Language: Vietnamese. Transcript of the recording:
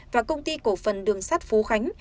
và công ty cổ phần đường sắt phú khánh